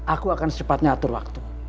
aku akan secepatnya atur waktu